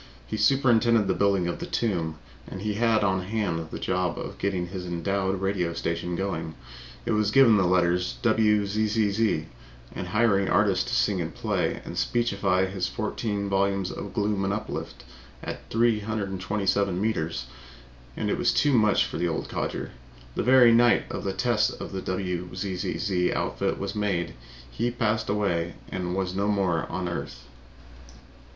He superintended the building of the tomb and he had on hand the job of getting his endowed radio station going it was given the letters WZZZ and hiring artists to sing and play and speechify his fourteen volumes of gloom and uplift at 327 meters, and it was too much for the old codger. The very night the test of the WZZZ outfit was made he passed away and was no more on earth.